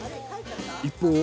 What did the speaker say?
一方。